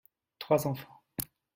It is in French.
Trois enfants.